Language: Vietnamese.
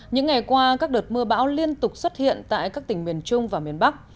những ngày qua các đợt mưa bão liên tục xuất hiện tại các tỉnh miền trung và miền bắc